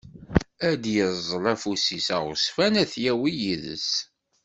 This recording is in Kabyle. Ad d-yeẓẓel afus-is aɣezzfan ad t-yawi yid-s.